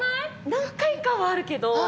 何回かはあるけど。